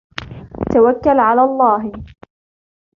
توكل على الله.